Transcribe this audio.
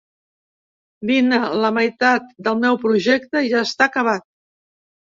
Vine, la meitat del meu projecte ja està acabat!